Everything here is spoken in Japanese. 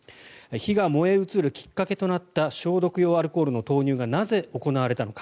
火が燃え移るきっかけとなった消毒用アルコールの投入がなぜ行われたのか。